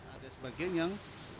ada sebagian yang